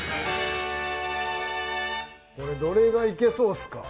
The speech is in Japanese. どれがいけそうっすか？